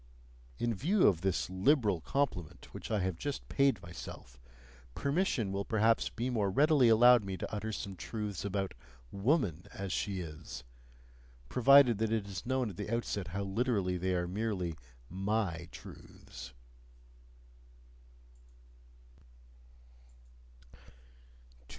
In view of this liberal compliment which I have just paid myself, permission will perhaps be more readily allowed me to utter some truths about "woman as she is," provided that it is known at the outset how literally they are merely MY truths.